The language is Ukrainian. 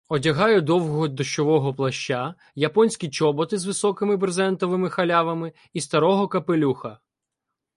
Одягаю довгого дощового плаща, японські чоботи з високими брезентовими халявами і старого капелюха.